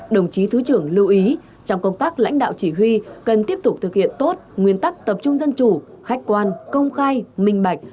đồng chí thứ trưởng lưu ý trong công tác lãnh đạo chỉ huy cần tiếp tục thực hiện tốt nguyên tắc tập trung dân chủ khách quan công khai minh bạch